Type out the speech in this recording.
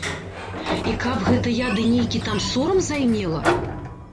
І каб гэта я ды нейкі там сорам займела?